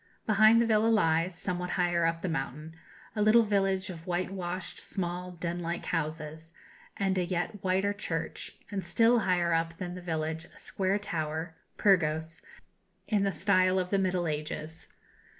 Behind the villa lies, somewhat higher up the mountain, a little village of white washed, small, den like houses, and a yet whiter church; and still higher up than the village, a square tower Pyrgos in the style of the Middle Ages.